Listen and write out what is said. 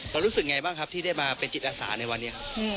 เธอรู้สึกยังไงบ้างครับที่ได้มาเป็นจิตอสารในวันนี้